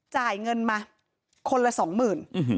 จ่ายเงินมาคนละสองหมื่น